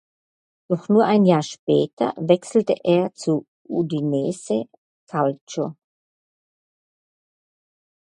Doch nur ein Jahr später wechselte er zu Udinese Calcio.